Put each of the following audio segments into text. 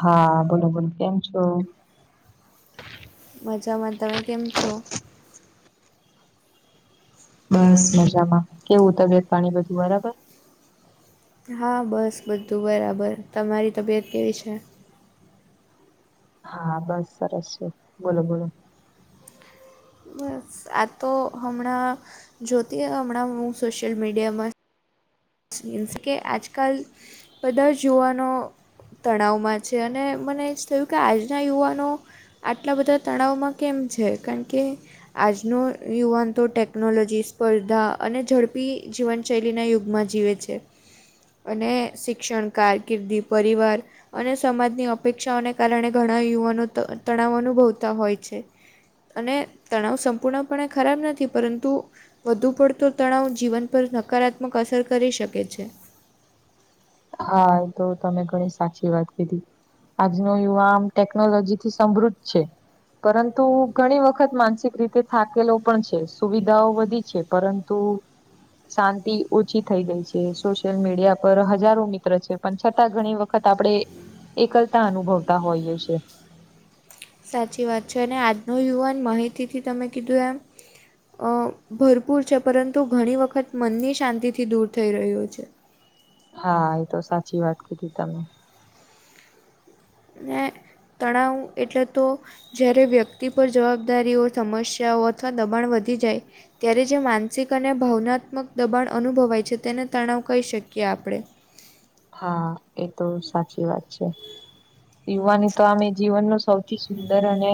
હા બોલો બોલો કેમ છો! મજામાં તમે કેમ છો. બસ મજામાં કેવું તબિયત પાણી બધું બરાબર. હા બસ બધું બરાબર તમારી તબિયત કેવી છે. હા બસ સરસ છે બોલો બોલો. બસ આ તો હમણાં જોતી હમણાં હું સોશિયલ મીડિયામાં કે આજકાલ બધા યુવાનો તણાવમાં છે અને મને એ જ થયું કે આજના યુવાનો આટલા બધા તણાવમાં કેમ છે કારણ કે આજનો યુવાન તો ટેકનોલોજી સ્પર્ધા અને ઝડપી જીવનશૈલીના યુગમાં જ જીવે છે અને શિક્ષણ કારકિર્દી પરિવાર અને સમાજની અપેક્ષાઓને કારણે ઘણા યુવાનો તણાવ અનુભવતા હોય છે. અને તણાવ સંપૂર્ણપણે ખરાબ નથી પરંતુ વધુ પડતો તણાવ જીવન પર નકારાત્મક અસર કરી શકે છે. હા તો તમે ઘણી સાચી વાત કીધી. આજનો યુવા આમ ટેકનોલોજી થી સમૃદ્ધ છે. પરંતુ ઘણી વખત માનસિક રીતે થાકેલો પણ છે સુવિધાઓ વધી છે પરં તું શાંતિ ઓછી થઈ ગઈ છે સોશિયલ મીડિયા પર હજ હજારો મિત્ર છે પણ છતાં ઘણી વખત આપણે એકલતા અનુભવતા હોઈએ છીયે. સાચી વાત છે અને આજનો યુવાન માહિતીથી તમે કીધું એમ ભરપૂર છે પરંતુ ઘણી વખત મનની શાંતિથી દૂર થઈ રહ્યો છે. હા એ તો સાચી વાત કીધી તમે. ને તણાવ એટલે તો જ્યારે વ્યક્તિ પર જવાબદારીઓ સમસ્યાઓ અથવા દબાણ વધી જાય ત્યારે જે માનસિક અને ભાવનાત્મક દબાણ અનુભવાય છે તેને તણાવ કહી શકીએ આપણે. હા એ તો સાચી વાત છે. યુવાની તો અમે જીવન ન સૌથી સુંદર અને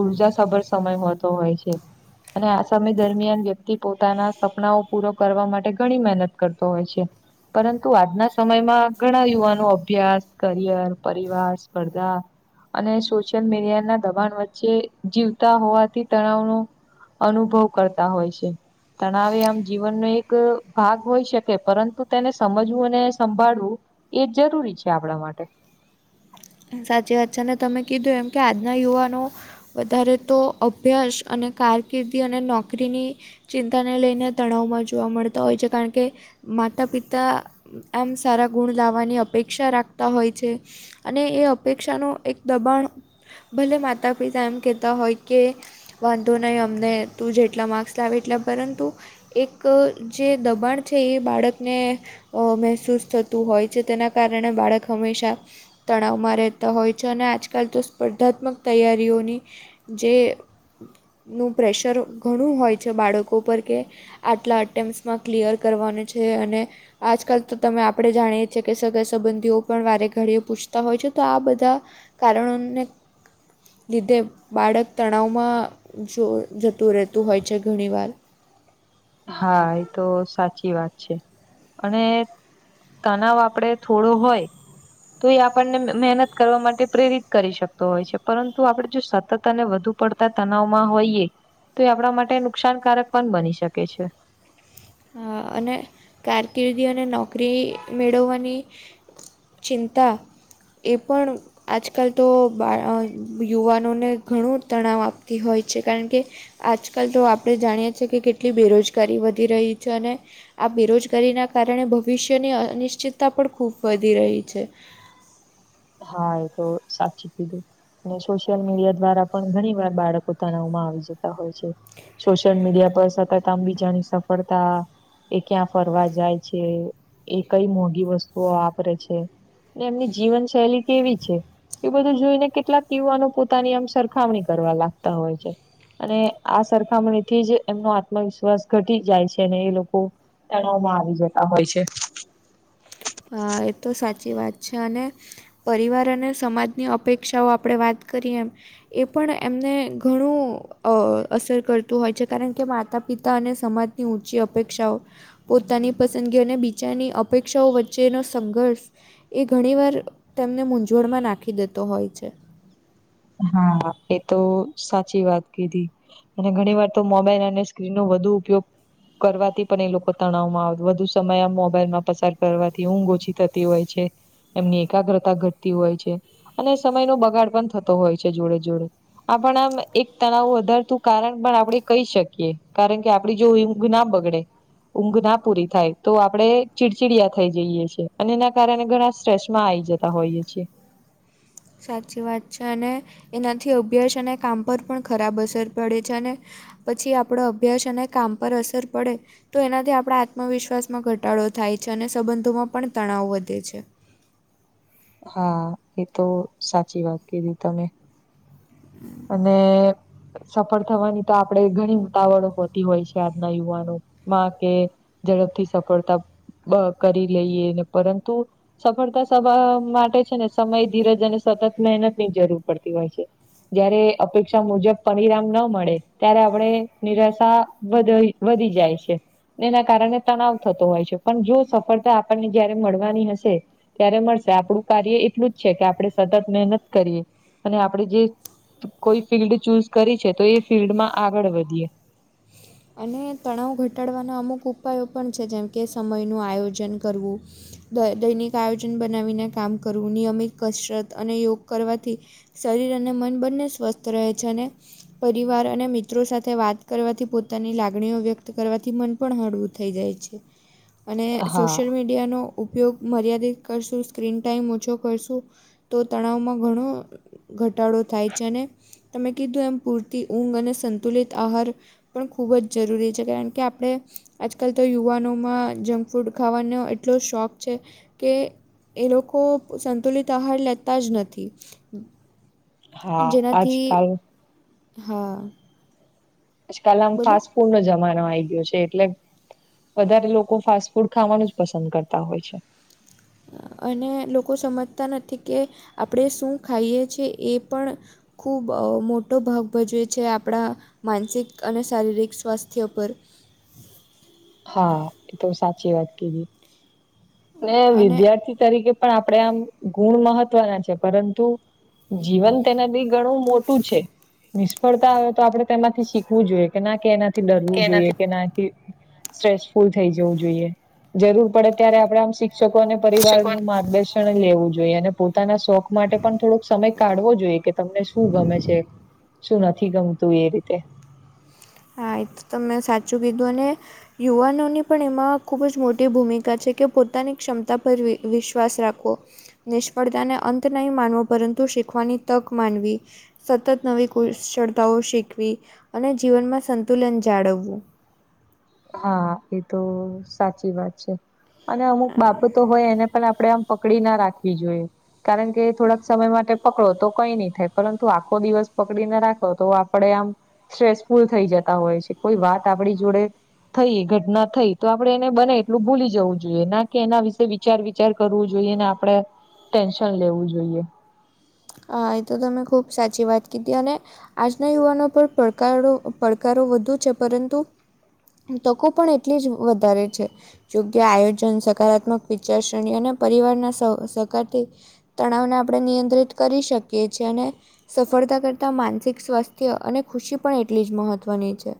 ઉર્જા સભર સમય હોતો હોય છે. અને આ સમય દરમિયાન વ્યક્તિ પોતાના સપનાઓ પૂરો કરવા માટે ઘણી મહેનત કરતો હોય છે. પરંતુ આજના સમય માં ઘણા યુવાનો અભ્યાસ કરિયર પરિવાર સ્પર્ધા અને સોશિયલ મીડિયા ના દબાણ વચ્ચે જીવતા હોવાથી તણાવનો અનુભવ કરતા હોય છે. તણાવે આમ જીવનનો એક ભાગ હોય શકે પરંતુ તેને સમજવું અને સંભાળવું એ જરૂરી છે આપણા માટે. સાચી વાત છે અને તમે કીધું એમ કે આજના યુવાનો વધારે તો અભ્યાસ અને કારકિર્દી અને નોકરીની ચિંતાને લઈને તણાવમાં જોવા મળતા હોય છે કારણ કે માતા પિતા આમ સારા ગુણ લાવવાની અપેક્ષા રાખતા હોય છે. અને એ અપેક્ષાનું એક દબાણ ભલે માતા પિતા એમ કહેતા હોય કે વાંધો નહીં અમને તું જેટલા માર્ક્સ લાવે એટલા પરંતુ એક જે દબાણ છે એ બાળકને અ મહેસૂસ થતું હોય છે તેના કારણે બાળક હંમેશા તણાવમાં રહેતા હોય છે અને આજકાલ તો સ્પર્ધાત્મક તૈયારીઓની જે નું પ્રેશર ઘણું હોય છે બાળકો પર કે આટલા અટેમ્પ્સમાં ક્લિયર કરવાની છે અને આજકાલ તો તમે આપડે જાણીએ છીએ કે સગા સંબંધીઓ પણ વારે ઘડીએ પૂછતા હોય છે તો આ બધા કારણોને લીધે બાળક તણાવમાં જો જતું રહેતું હોય છે ઘણીવાર. હા એ તો સાચી વાત છે અને તનાવ આપડે થોડો હોય તો એ આપણને મહેનત કરવા માટે પ્રેરિત કરી શકતો હોય છે પરંતુ આપણે જો સતત અને વધુ પડતા તનાવમાં હોઈએ તો એ આપણા માટે નુકસાનકારક પણ બની શકે છે. અને કારકિર્દી અને નોકરી મેળવવાની ચિંતા એ પણ આજકાલ તો બા યુવાનોને ઘણું તણાવ આપતી હોય છે કારણ કે આજકાલ તો આપણે જાણીએ છીએ કે કેટલી બેરોજગારી વધી રહી છે અને આ બેરોજગારીના કારણે ભવિષ્યની અનિશ્ચિતતા પણ ખૂબ વધી રહી છે. હા એ તો સાચી કીધું. અને સોશિયલ મીડિયા દ્વારા પણ ઘણી વાર બાળક તાણાવમાં આવી જતા હોય છે. સોશિયલ મીડિયા પર સતત આમ બીજાની સફળતા એ ક્યાં ફરવા જાય છે એ કઈ મોઘી વસ્તુઓ વાપરે છે એમની જીવન શૈલી કેવી છે? એ બધું જોઈને કેટલાક યુવાનો પોતાની આમ સરખામણી કરવા લાગતા હોય છે. અને આ સરખામણી થી જ એમનો આત્મવિશ્વાસ ઘટી જાય છે અને એ લોકો તણાવમાં આવી જતા હોય છે. એ તો સાચી વાત છે અને પરિવાર અને સમાજની અપેક્ષાઓ આપણે વાત કરીએ એમ એ પણ એમને ઘણું અસર કરતું હોય છે કારણ કે માતા પિતા અને સમાજની ઊંચી અપેક્ષાઓ પોતાની પસંદગીઓ અને બિચારની અપેક્ષાઓ વચ્ચે જેનો સંઘર્ષ એ ઘણીવાર તેમને મૂંઝવણમાં નાખી દેતો હોય છે. હા એ તો સાચી વાત કીધી. અને ઘણી વાર તો મોબાઈલ અને સ્ક્રીન નો વધુ ઉપયોગ કરવાથી પણ એ લોકો તણાવમાં આવ વધુ સમય આ મોબાઈલ માં પસાર કરવાથી ઊંઘ ઓછી થતી હોય છે. એમની એકાગ્રતા ઘટતી હોય છે અને સમયનો બગાડ પણ થતો હોય છે જોડે જોડે. આપ આમ એક તણાવ વધારતું કારણ પણ આપણે કહી શકીએ કારણ કે આપડી જોઈ ના બગડે. ઊંઘ ના પૂરી થાય તો આપડણે ચીડચીડિયા થઈ જઈએ છેએ અને એના કારણે ઘણા સ્ટ્રેસમાં આ આવી જતા ત હોય જ છે. સાચી વાત છે અને એનાથી અભ્યાસ અને કામ પર પણ ખરાબ અસર પડે છે અને પછી આપણો અભ્યાસ અને કામ પર અસર પડે તો એનાથી આપણા આત્મવિશ્વાસમાં ઘટાડો થાય છે અને સંબંધોમાં પણ તણાવ વધે છે. હા એ તો સાચી વાત કીધી તમે. હમ્મ. અને સફળ થવાની તો આપણેે ઘણી ઉતાવળ હોતી હોય છે આજના યુવાનોમાં કે ઝડપથી સફળતા કરી લઈએ પરંતુ સફળતા સભા માટે છે ને સમય ધીરજ અને સતત મહેનત ની જરૂર પડતી હોય છે. જયારે અપેક્ષા મુજબ પનીરમ ન મળે ત્યારે આપણે નિરાશા બધ વધી જાય છે. એના કારણે તણાવ થતો હોય છે પણ જો સફળતા આપણને જયારે મળવાની હશે ત્યારે મળશે આપડું કાર્ય એટલું જ છે કે આપડણે સતત મહેનત કરીએ અને આપડે જે કોઈ ફિલ્ડ ચૂઝ કરી છે તો એ ફિલ્ડ માં આગળ વધીએ. અને તણાવ ઘટાડવાના અમુક ઉપાયો પણ છે જેમ કે સમયનું આયોજન કરવું. દય દૈનિક આયોજન બનાવીને કામ કરવું નિયમિત કસરત અને યોગ કરવાથી. શરીર અને મન બંને સ્વસ્થ રહે છે અને પરિવાર અને મિત્રો સાથે વાત કરવાથી પોતે પોતાની લાગણીઓ વ્યક્ત કરવાથી મન પણ હળવું થઈ જાય છે અને હા સોશિયલ મીડ મીડિયાનો ઉપયોગ મર્યાદિત કરશું સ્ક્રીન ટાઈમ ઓછો કરશું. તો તણાવમાં ઘણું ઘટાડો થાય છે, અને તમે કીધું એમ પૂરતી ઊંઘ અને સંતુલિત આહાર પણ ખૂબ જ જરૂરી છે કારણ કે આપણે આજકાલ તો યુવાનોમાં જંક ફૂડ ખાવાનો એટલો શોખ છે કે એ લોકો સંતુલિત આહાર લેતા જ નથી. હા, આજ જેનાથી કાલ હા. આજકાલ આમ બોલો ફાસ્ટ ફૂડ નો જમાનો આઈ ગયો છે એટલે વધારે લોકો ફાસ્ટ ફૂડ ખાવાનું જ પસંદ કરતા હોય છે. અને લોકો સમજતા નથી કે આપણે શું ખાઈએ છીએ એ પણ ખૂબ મોટો ભાગ ભજવે છે આપણા માનસિક અને શારીરિક સ્વાસ્થ્ય પર. હા એ તો સાચી વાત કીધી. ને અને વિદ્યાર્થી તરીકે પણ આપણેે આમ ગુણ મહત્વના છે. પરંતુ જીવન તેનાથી ઘણું મોટું છે. નિષ્ફળતા હોય તો આપડણે તેમાંથી શીખવું જોઈએ કે ના કે એનાથી ડરવું જોઈએ કે નાથી સ્ટ્રેસફુલ થઈ જવું જોઈએ જરૂર પડે ત્યારે આપણેે આમ શિક્ષકો અને શકોન પરિવારનું માર્ગદર્શન લેવું જોઈએ અને પોતાના શોખ માટે પણ થોડોક સમય કાઢવો જોઈએ કે તમને શું ગમે છે. શું નથી ગમતું એ રીતે. હા એ તો તો મેં સાચું કીધું અને યુવાનોની પણ એમાં ખૂબ જ મોટી ભૂમિકા છે કે પોતાની ક્ષમતા પર વિશ્વાસ રાખવો. નિષ્ફળતાને અંત નહીં માનવો પરંતુ શીખવાની તક માનવી. સતત નવી કુશળતાઓ શીખવી અને જીવનમાં સંતુલન જાળવવું. હા એ તો સાચી વાત છે, અને અમુક બાબતો હોય એને પણ આપણે આમ પકડી ના રાખવી જોઈએ કારણ કે થોડાક સમય માટે પકડો તો કઈ નહી થાય પરંતુ આખો દિવસ પકડી ના રાખો તો આપડે આમ સ્ટ્રેસફુલ થઈ જતા હોય છે કોઈ વાત આપણી જોડે થઈ ઘટના થઈ તો આપડે એને બને એટલું ભૂલી જવું જોઈએ ના કે એના વિશે વિચાર વિચાર કરવું જોઈએ ને આપણે ટેન્શન લેવું જોઈએ હા એ તો તમે ખુબ સાચી વાત કીધી અને આજના યુવાનો પર પડકારો પડકારો વધુ છે, પરંતુ તકો પણ એટલી જ વધારે છે. યોગ્ય આયોજન સકારાત્મક વિચાર શ્રેણી અને પરિવારના સહ સહકારથી તણાવને આપણે નિયંત્રિત કરી શકીએ છીએ અને સફળતા કરતા માનસિક સ્વાસ્થ્ય અને ખુશી પણ એટલી જ મહત્વની છે.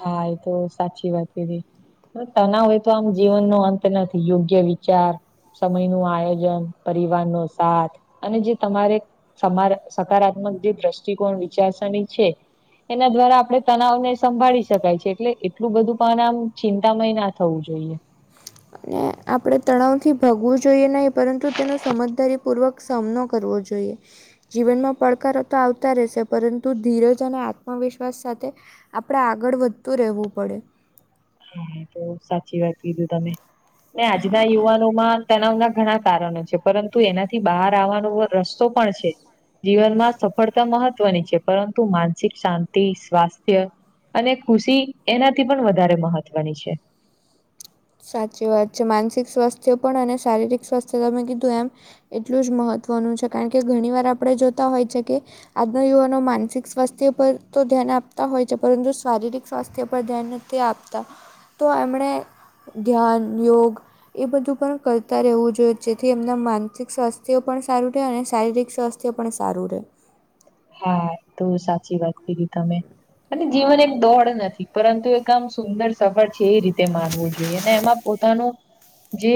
હા એ તો સાચી વાત કીધી. તના હોય તો આમ જીવન ન અંત નથી યોગ્ય વિચાર સમય નું આયોજન પરિવાર નો સાથ અને જે તમારે સમા સકારાત્મક જે દ્રષ્ટિકોણ વિચારસણી છે. એના દ્વારા આપણે તનાવ ને સંભાળીશ શકાય છે એટલે એટલું બધું પણ આમ ચિંતામય ના થવું જોઈએ. અનેને આપણે તણાવથી ભાગવું જોઈએ નહીં પરંતુ તેનું સમજદારીપૂર્વક સામનો કરવો જોઈએ. જીવનમાં પડકારો તો આવતા રહેશે પરંતુ ધીરજ અને આત્મવિશ્વાસ સાથે આપણે આગળ વધતું રહેવું પડે. હા તો સાચી વાત કીધું તમે આજના હા યુવાનો માં તણાવના ઘણા કારણો છે પરંતુ એનાથી બહાર આવવાનો રસ્તો પણ છે. જીવનમાં સફળતા મહત્વની છે પરંતુ માનસિક શાંતિ સ્વાસ્થ્ય અને ખુશી એનાથી પણ વધારે મહત્વની છે. સાચી વાત છે માનસિક સ્વાસ્થ્ય પણ અને શારીરિક સ્વાસ્થ્ય તમે કીધું એમ એટલું જ મહત્વનું છે કારણ કે ઘણી વાર આપણે જોતા હોય છે કે. આજના યુવાનો માનસિક સ્વાસ્થ્ય પર તો ધ્યાન આપતા હોય છે પરંતુ શારીરિક સ્વાસ્થ્ય પર ધ્યાન. તે આપતા તો એમણે ધ્યાન, યોગ. એ બધું પણ કરતા રહેવું જોઈએ જેથી એમના માનસિક સ્વાસ્થ્ય પણ સારું રહેાય અને શારીરિક સ્વાસ્થ્ય. જે પણ સારું રહે. હા તો સાચી વાત કીધી તમે અને જીવન હા. એક દોડ નથી. પરંતુ એક આમ સુંદર સફર છે એ રીતે માનવું જોઈએ ને એમાં પોતાનું. જે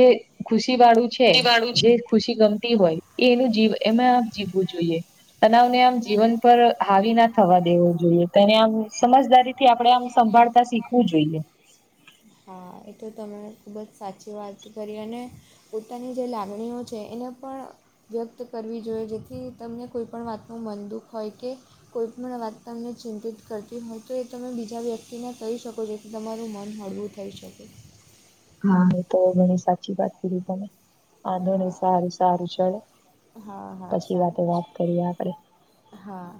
ખુશી વાળું છે વાળું છે. જે ખુશી ગમતી હોય. એ એનું જીવ એમાં આ જીવવું જોઈએ તણાવ ને આમ. જીવન પર હાવી ના થવા દેવો જોઈએ તેને આમ સમજદારી થી આપણે આમ સંભાળતા શીખવું જોઈએ. હા એ તો તમે ખૂબ જ સાચી વાત કરી અને. પોતાની જે લાગણીઓ છે એને પણ વ્યક્ત કરવી જોઈએ જેથી તમને કોઈ પણણ વાતનું મનદુઃખ હોય કે. કોઈ પણણ વાત તમને ચિંતિત કરતી હોય તો એ તમે બીજા વ્યક્તિને કહી શકો જેથી તમારું મન હળવું. થઈ શકે. હા એ તો ઘણી સાચી વાત કીધી તમે. વાંધો ને હા સારું સારું ચડ હા હા પછી વાતે સારું છે વાત કરીએ આપડે. હા.